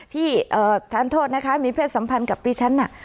ที่ทานโทษนะคะมีเพศสัมพันธ์กับดิฉันน่ะ